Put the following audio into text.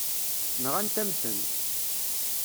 Nɣant-am-ten.